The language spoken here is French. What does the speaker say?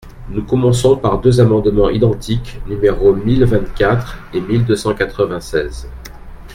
Nous commençons par deux amendements identiques, numéros mille vingt-quatre et mille deux cent quatre-vingt-seize.